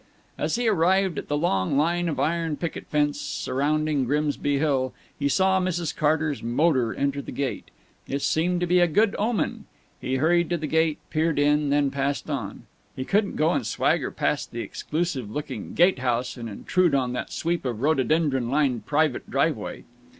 As he arrived at the long line of iron picket fence surrounding Grimsby Hill, he saw Mrs. Carter's motor enter the gate. It seemed to be a good omen. He hurried to the gate, peered in, then passed on. He couldn't go and swagger past that exclusive looking gate house and intrude on that sweep of rhododendron lined private driveway.